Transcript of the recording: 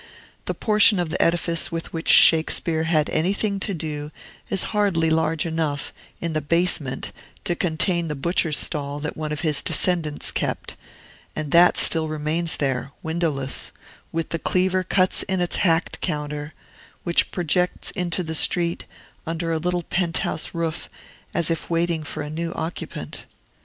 The portion of the edifice with which Shakespeare had anything to do is hardly large enough, in the basement, to contain the butcher's stall that one of his descendants kept, and that still remains there, windowless, with the cleaver cuts in its hacked counter, which projects into the street under a little penthouse roof, as if waiting for a new occupant.